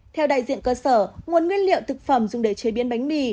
theo đại diện cơ sở nguồn nguyên liệu thực phẩm dùng để chế biến bánh mì